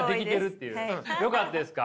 よかったですか？